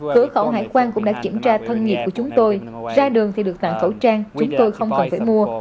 cửa khẩu hải quan cũng đã kiểm tra thân nhiệt của chúng tôi ra đường thì được tặng khẩu trang chúng tôi không cần phải mua